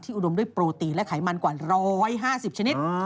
อุดมด้วยโปรตีนและไขมันกว่า๑๕๐ชนิด